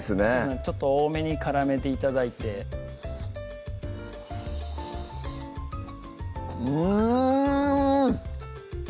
ちょっと多めに絡めて頂いてうん！